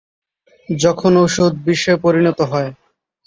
যখন, ওষুধ বিষে পরিণত হয়!